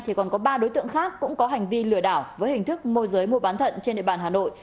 thì còn có ba đối tượng khác cũng có hành vi lừa đảo với hình thức môi giới mua bán thận trên địa bàn hà nội